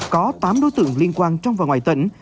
có tám đối tượng liên quan trong và ngoài tỉnh